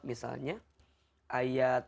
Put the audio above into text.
di surat al hujurat